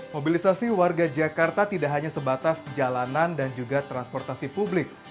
mobilisasi warga jakarta tidak hanya sebatas jalanan dan juga transportasi publik